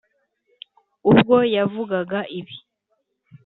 ubwo yavugaga ibi,